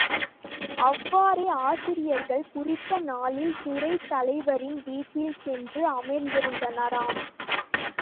அவ்வாறே ஆசிரியர்கள், குறித்த நாளில் துறைத் தலைவரின் வீட்டில் சென்று அமர்ந்திருந்தனராம்.